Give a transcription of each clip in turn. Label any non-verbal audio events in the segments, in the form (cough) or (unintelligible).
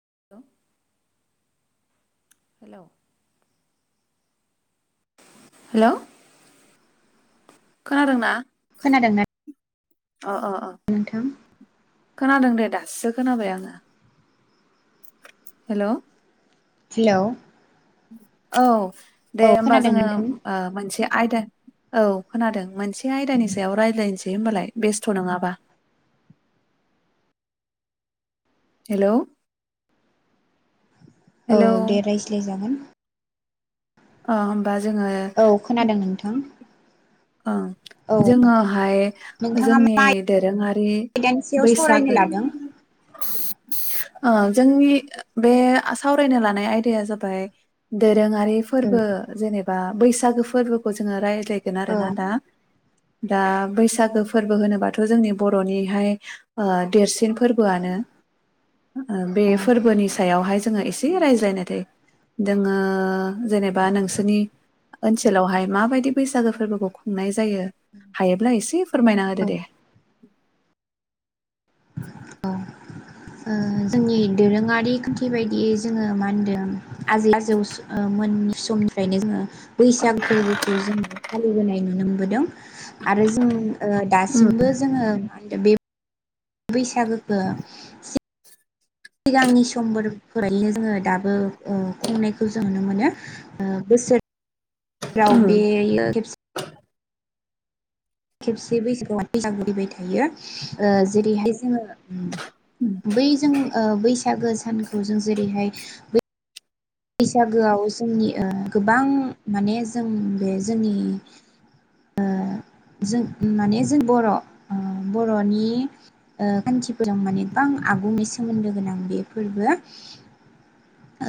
(inaudible) Hello hello. खोनादों ना? खोनादों ना? अ अ अ। नोंथां। खोनादों दे दासो खोनाबाय आङो। हेल'। हेलोव। औ। दे होमबा जोङो नोंथां ओ मोनसे आयदा औ खोनादों मोनसे मोनसे आयदानि सायाव रायलायनोस दे होमबालाय बेस्थ' नङाबा। हेल'। औ हेल' दे रायज्लाय जागोन। ओम औ खोनादों नोंथां। ओं औ जोङोहाय नोंथाङा जोंनि मा दोरोङारि आयदानि सायाव सावरायनो बैसागो लादों ओ जोंनि बे सावरायनो लानाय आयदाया जाबाय दोरोङ आरि औ फोरबो जेनेबा बैसागो फोरबोखौ जोङो रायज्लायगोन औ (unintelligible) दा बैसागो फोरबो होनोबाथ' जोंनि बर'निहाय देरसिन फोरबोआनो बे औ फोरबोनि सायावहाय जोङो एसे रायज्लायनो दै जोङो जेनेबा नोंसोरनि ओनसोलावहाय माबायदि बैसागो फोरबो खौ खुंनाय जायो हायोब्ला एसे फोरमायना होदो दे औ ओ जोंनि दोरोङारि खान्थि बायदियै जोङो मा होनदों आजोलाजैस ओ मोननि समनिफ्राइ नो जोङो बैसागुफोरबोखौ जोङो फालिबोनाय नुनो मोनबोदों आरो जों ओ ओं दासिमबो जोङो (unintelligible) बैसागोखौ सिगांनि समफोरफोरनो जोङो दाबो खुंनायखौ जों नुनो मोनो बोसोर राव बेयो खेबसे बैसागआवैसागुरैबाय थायो ओ जेरैहाय जोङो उम बै जों ओ बैसागो सानखौ जों जेरैहाय बै बैसागोआव जोंनि ओ गोबां माने जों बे जोंनि ओ जों माने जों बर ओ बरनि ओ खान्थिफोरजों माने गोबां आगुनि सोमोन्दोगोनां बे फोरबो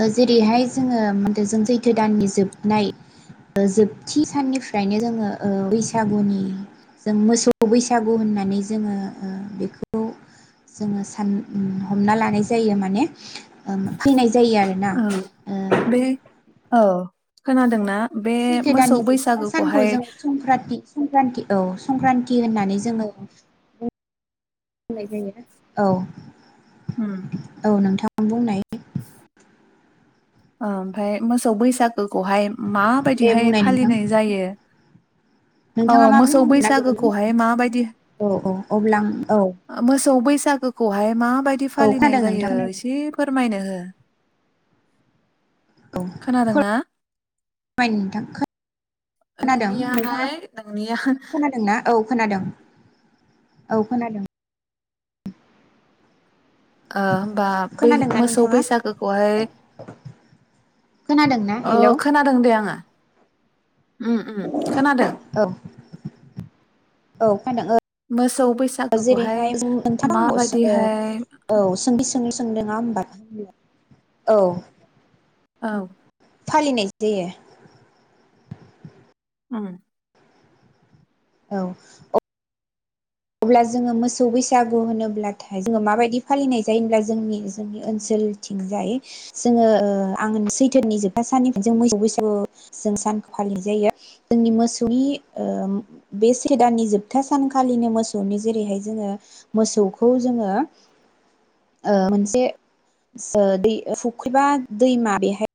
ओ जेरैहाय जोङो मो जों जैथो दाननि जोबनाय जोबथि साननिफ्रायनो जोङो ओ बैसागुनि जों मोसौ बैसागु होननानै जोङो ओ बेखौ जोङो सान ओ हमनालानाय जायो माने उम फैनाय जायो आरोना ओ औ बे औ खोनादोंना बे सैथो मोसौ दाननि जोबथा सानखौ बैसागोखौहाय जों संक्रान्ति संक्रान्ति औ संक्रान्ति थि होननानै जोङो (unintelligible) जायो औ उम औ नोंथां बुंनाय ओमफ्राय मोसौ बैसागोखौहाय दे माबायदिहाय बुंनाय नोंथां फालिनाय जायो औ नोंथाङा मा मोसौ बुंनो बैसागोखौहाय नागिरदोंमोन माबायदि औ औ अब्ला आं औ मोसौ बैसागोखौहाय मा बादि औ फालिनाय खोनादों नोंथां जायो खोनादों एसे फो फोरमायनो हो औ खोनादोंना फोरमाय नोंथां खोनादों नोंथाङा नोंनियाहाय नोंनिया खोनादोंना औ खोनादों औ खोनादों। ओ होमबा बै खोनादोंना मोसौ नोंथाङा बैसागोखौहाय खोनादोंना ओ हेलौ खोनादों दे आंङो। उम्म उम्म खोनादों। औ‌ मोसौ बैसागोखौहाय नोंथां माबायदिहाय सोंलु सोंदों नंङा होनबा औ। औ फालिनाय जायो। उम्म औ अ अब्ला जोंङो मोसौ बैसागु होनोब्लाथाय जोंङो माबायदि फालिनाय जायो होनब्ला जोंनि जोंनि ओनसोलथिंजाय जोंङो ओ (inaudible) सैथोनि जोबथा साननिफ्राय जों मोसौ बैसागु जों सानखौ फालिनाय जायो जोंनि मोसौनि ओ बे सैथ दाननि जोबथा सानखालिनो मोसौ मोसौनि जेरैहाय जोंङो मोसौखौ जोंङो ओ मोनसे ओ दै फुख्रिबा दैमा बेहाय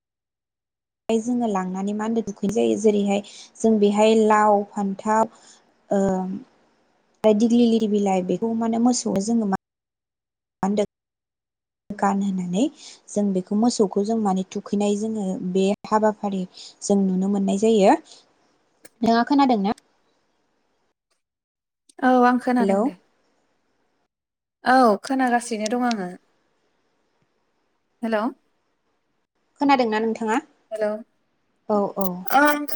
बेहाय जोंङो लांनानै मा होनो दुखैनाय जायो जेरैहाय जों बेहाय लाव फान्थाव ओ ओमफ्राय दिग्लि लिति बिलाइ बेखौ माने मोसौनो जोंङो मा गानहानै जों बेखौ मोसौखौ जों माने थुखैनाय जोंङो बे हाबाफारि जों नुनो मोननाय जायो। नोंथांआ खोनादों ना? औ आं खोनादों हेलौ दे। औ खोनागासिनो दं आंङो। हेल' खोनादोंना नोंथांङा? औ औ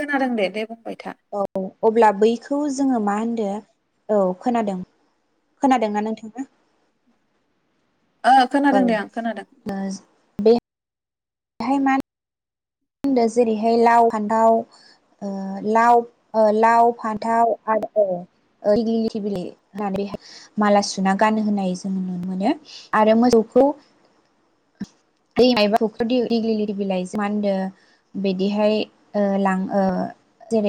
खोनादों दे, दे बुं औ अब्ला बैखौ जोंङो मा होनदो? औ खोनादों खोनादोंना नोंथांङा? ओ खोनादों दे आं खोनादों। दाहाय मान मा होनदों जेरैहाय लाव फान्थाव ओ लाव ओ‌ लाव फान्थाव आ ओ दिग्लिलिति बिलाइ होननानै माला सुना गानो होननाय जों नुनो मोनो आरो मोसौखौ (unintelligible) बिलाइजों मा होनदो बिदिहाय ओ लां ओ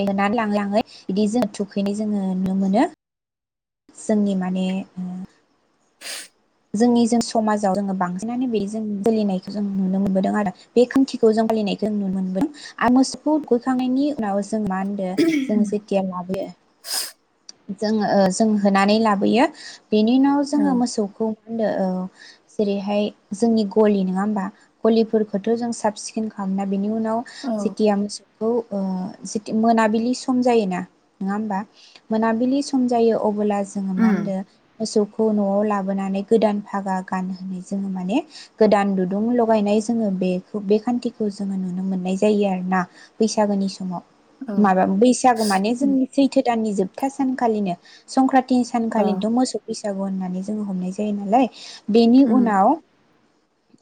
होनानै लाङै लाङै बिदि जोंङो थुखैनाय जोंङो नुनो मोनो। जोंनि माने ओ जोंनि जों समाजाव जोंङो बांसिनानो बेदि जों जोलिनायखौ जों नुनो मोनबोदों आरो बे खान्थिखौ जों फालिनायखौ जों नुनो मोनबोदों आरो मोसौखौ दुगैखांनायनि उनाव जों जों मा होनदो जों जेतिया लाबोयो जोंङो ओ जों होनानै लाबोयो। बेनि उनाव औ जोंङो मोसौखौ ओ औ जेरैहाय जोंनि गलि नङा होमबा गलिफोरखौथ' जों साब सिखोन खालामना बेनि उ उनाव औ जिथिया मोसौ खौ ओ जेति मोनाबिलि सम जायोना नङा होमबा मोनाबिलि सम जायो अब बोला जोंङो मा उम होनदो मोसौ खौ न'आव लाबोनानै गोदान फागा गान होनाय जोंङो माने गोदान दुदुं लगायनाय जोंङो बेखौ बे खान्थिखौ जोंङो नुनो मोननाय जायो आरोना बैसागोनि समाव। औ माबा बैसागो माने उम जोंनि सैथो दाननि जोब था सानखालिनो संक्रान्त तिन अ सानखालिनोथ' मोसौ बैसा औ होननानै जोङो हमनाय जा दे होनबालाय। बेनि उम उनाव।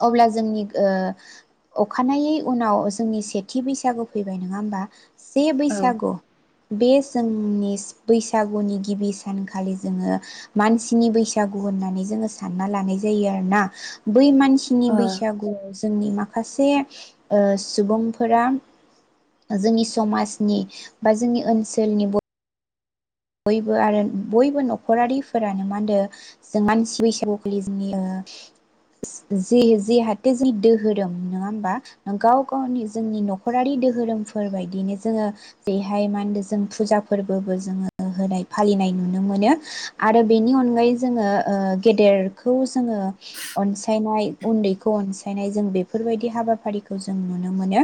अब्ला जोंनि ओ अखानायै उनाव जोंनि सेथि बैसागु फैबाय नङा होमबा। से बैसागु। बे जोंनि बैसागुनि गिबि सानखालि जोङो मानसिनि बैसागु होननानै जोंङो सानना लानाय जायो आरोना। बै मानसिनि बैसागुआव जोंनि माखासे ओ सुबुंफोरा जोंनि समाजनि बा जोंनि ओनसोलनि बयबो आरो बयबो न'खरारिफोरानो मा होनो जों मानसि बैसागुखालि जोंनि ओ जि जि जिहाथे जि दोहोरोम नङा होमबा गाव गावनि जोंनि न'खरारि दोहोरोमफोर बायदिनो जोङो बेेरैहाय मा होनो जों फुजा फोरबोबो जोङो होनाय फालिनाय नुनो मोनो आरो बेनि अनगायै जोङो ओ गेदेरखौ जोङो अनसायनाय उन्दैखौ अनसायनाय जों बेफोरबायदि हाबाफारिखौ जों नुनो मोनो।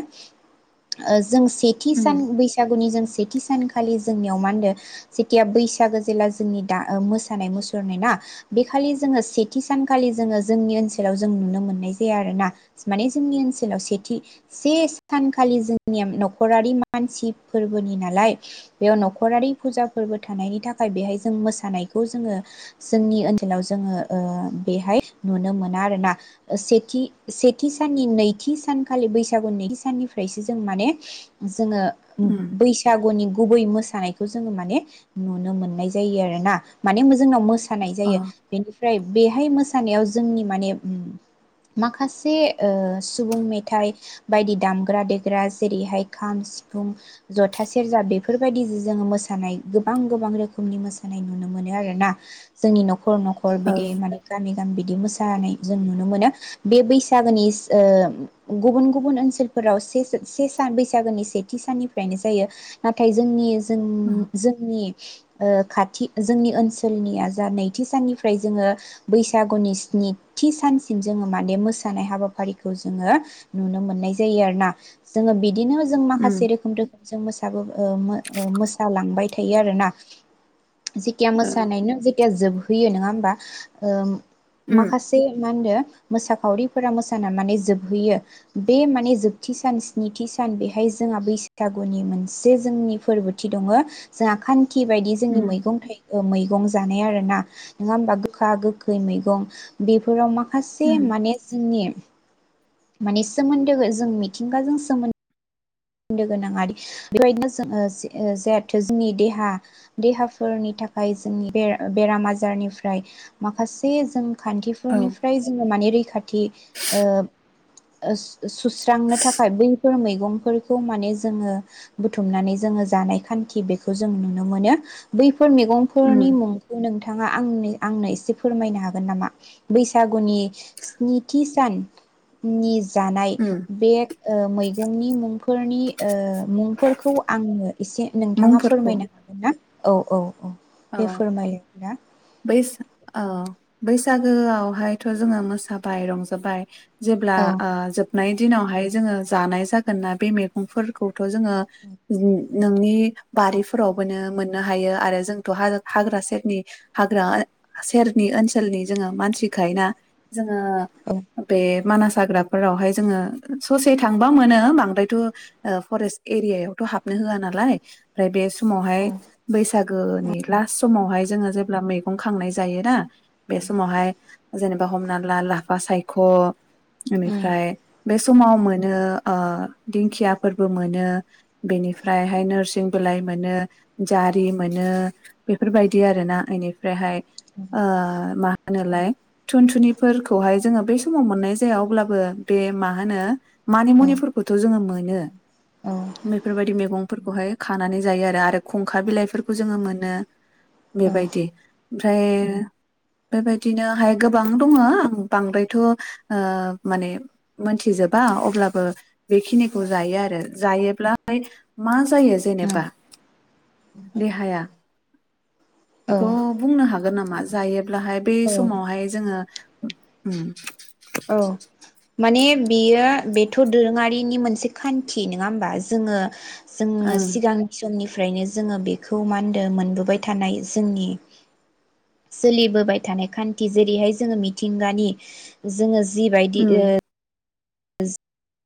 ओ जों सेथि सान बैसागुनि जों से थि सानखालि जोंनियाव मा होनदो जेथिया बैसागो जेला जोंनि दा मोसानाय मुसुरनाय ना बे खालि जोङो सेथि सानखालि जोंङो जोंनि ओनसोलाव जों नुनो मोननाय जाया आरोना माने जोंनि ओनसोलाव सेथि से सानखालि जोंनिया न'खरारि मानसि फोरबोनि नालाय बेयाव न'खरारि फुजा फोरबो‌ थानायनि थाखाय बेहाय जों मोसानायखौ जोंङो जोंनि ओनसोलाव जोङो ओ बेहाय नुनो मोना आरोना सेथि सेथि साननि नैथि सानखालि बैसागुनि नैथि साननिफ्रायसो जों माने जोङो बैसागुनि गुबै मोसा थानायखौ जोङो माने नुनो मोननाय जायो आरोना माने जोंनाव मोस हानाय जायो बेनिफ्राय बेहाय मो सानायाव जोंनि माने माखासे ओ सुबुं मेथाइ बायदि दामग्रा देग्रा जेरैहाय खाम सिफुं जथा सेरजा बेफोरबायदि जोङो मोसानाय गोबां गोबां रोखोमनि मोसानाय नुनो मोनो आरोना जोंनि न खर न'खर बिदि माने गामि गामि बिदि मोसाहोनाय जों नुनो मोनो बे बैसागोनि ओ गुबुन गुबुन ओनसोलफोराव से से सान बैसागोनि सेथि साननिफ्रायनो जायो नाथाय जोंनि जों नि ओ खाथि जोंनि ओनसोलनिया जा नैथि साननिफ्राय जोङो बैसागुनि स्निथि सानसिम जोङो माने मोसानाय हाबाफारिखौ जोङो नुनो मोननाय जायो आरोना जोङो बिदिनो जों माखासे रोखोमदो जों मोसाबो ओ मो ओ मोसालांबाय थायो आरोना। जिखिया मोसानायनो। जोबहोयो नङा होमबा ओम। माखासे मा होनदों? मोसाखावरिफोरा मोसाना माने जोबहैयो बे माने जोबथि सान स्निथि सान बेहाय जोंहा बैसागुनि मोनसे जोंनि फोरबोथि दङ। जों आखान थि बायदि जोंनि मैगं थाइगं मैगं जानाय आरोना नङा होमबा गोखा गोखै मैगं बेफोराव माख खासे माने जोंनि माने सोमोन्दो जों मिथिंगाजों सोमोन्दो सोमोनदो गोनां आरो बेबायदिनो जोङो ओ जहेाथु जोंनि देहा देहाफोरनि थाखाय जोंनि बेराम आजारनिफ्राय माखासे जों औ खान्थिफोरनिफ्राय जोङो माने रै खाथि ओ सुस्रांनो थाखाय बैफोर मैगंफोर खौ माने जोङो बुथुमनानै जोङो जानाय खान्थि बेखौ जों नुनो मोनो। बै फोर मैगंफोरनि मुंखौ नोंथा ङा आंनि आंनो एसे फोरमायनो हागोन नामा? बैसागुनि स्निथि साननि जानाय बे ओ मैगंनि मुं फोरनि ओ मुंफोरखौ आंनो एसे नोंथाङा फोरमायनो हागोन ना? औ औ औ। दे अ, फोरमायलाय दा बैसा अ। बैसागोआवहायथ जोङो मोसाबाय, रंजाबाय जेब्ला औ ओ जोब नाय दिनावहाय जोङो जानाय जागोन ना बे मैगंफोरखौ थ जोङो नोंनि बारिफोरावबो नो मोननो हायो। आरो जों थ हाग्रा सेरनि हाग्रा सेरनि ओनसोलनि जोङो मानसिखाय ना जोङो औ बे मानास हाग्राफोरावहाय जोङो ससे थांबा मोनो बांद्रायथ ओ फरेस्ट एरियायावथ हाबनो होआ नालाय ओमफ्राय बे औ समावहाय बैसागोनि लास्ट समावहाय जोङो जेब्ला मैगं खांनाय जायोना? बेस महाय जेनेबा हमना ला लाफा सायख, उम बेनिफ्राय बे समाव मोनो ओ दिंखियाफोरबो मोनो, बेनिफ्रायहाय नोरसिं बिलाइ मोनो, जारि मोनो, बेफोरबायदि आरोना। बेनिफ्रायहाय ओ मा होनोलाय थुनथुनिफोरखौहाय जोङो बै समाव मोननाय जाया अब्लाबो बे मा होनो मानि औ मुनिफोरखौथ जोङो मोनो। औ बेफोरबायदि मैगं फोरफोरखौहाय खानानै जायो आरो आरो खंखा बिलाइफोरखौ जोङो मोनो। बेबायदि। ओमफ्राय बेबायदिनोहाय गोबां दङ आं बांद्रायथ ओ माने मोनथिजोबा अब्लाबो बेखिनिखौ जायो आरो। जायोब्ला मा जायो जेनेबा? देहाया? बेखौ बुंनो हागोन नामा जायो ब्लाहाय बे औ समावहाय जोङो उम औ। माने बियो बेथ' दोरोङारि (unintelligible) मोनसे खान्थि नोङा होमबा जोङो जोंनो ओं सिगां किसननि फ्रायनो जोङो बेखौ मा होनदो मोनबोबाय थानाय जोंनि सोलिबोबाय थानाय खान्थि जेरैहाय जोङो मिथिंगानि जोङो जिबायदि ओ उम (unintelligible)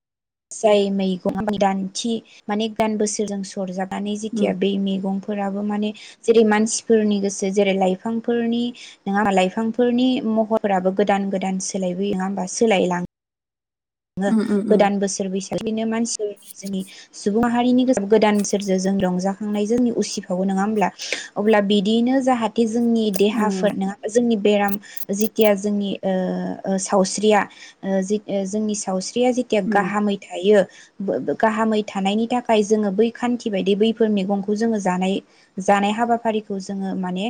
जाय मैगं (unintelligible) माने बोसोरजों सरजाब नानै जेथिया उम बेै मेगं फोराबो माने जेरै मानसिफोरनि गोसो जेरै लाइफांफोरनि नङा लाइफांफोरनि महराबो गोदान गोदान सोलायबोयो नङा होमबा सोलायलाङो। ओ उम उम उम गोदान बोसोर बैसो मानसिफोरनि जोंनि सुबुं माहारिनि गोदान सोरजों जों रंजाखांनायजों उसिफावो नङा होमब्ला अब्ला बिदियैनो जाहा थे जोंनि औ देहाफोर नङा होमबा जोंनि बेराम जेतिया ओ ओ जोंनि सावस्रिया ओ जो जोंनि साव स्रिया जेतिया उम गाहामै थायो गाहामै थानायनि थाखाय जोङो बै खान्थि बायदि बैफोर मैगंखौ जोङो जानाय जानाय हाबाफारिखौ जोङो माने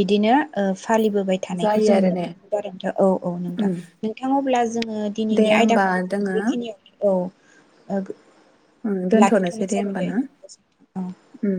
बिदिनो ओ फालिबोबाय थानायखौ जायो जों आरो नुनो ने मोनदों आरो नोंथां औ औ नोंथां उम नोंथां अब्ला जोङो दे दिनैनि आयदा होमबा जोङो बेखिनियावनो औ ओ ओं दोनथ'नोसै दे होमबा ना गोजोनथों औ उम